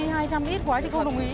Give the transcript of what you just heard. hai trăm linh ít quá chị không đồng ý